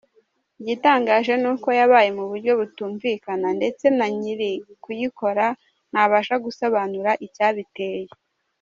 Igitangaje ni uko yabaye mu buryo butumvika ndetse na nyiri kuyikora ntabasha gusobanura icyabiteye.